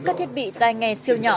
các thiết bị tay nghe siêu nhỏ